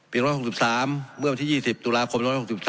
๑๖๓เมื่อวันที่๒๐ตุลาคม๑๖๓